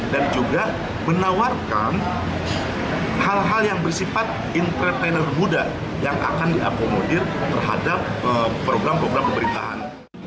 dan juga menawarkan hal hal yang bersifat entertainer muda yang akan diakomodir terhadap program program pemberitaan